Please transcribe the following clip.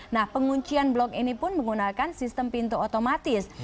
nah penguncian blok ini pun menggunakan sistem pintu otomatis